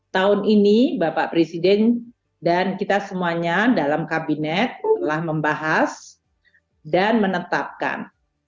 tahun ini bapak presiden dan kita semuanya dalam kabinet telah membahas dan menetapkan